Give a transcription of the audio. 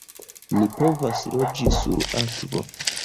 "Ni povas loĝi sur akvo!"